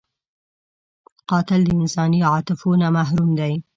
قاتل د انساني عاطفو نه محروم دی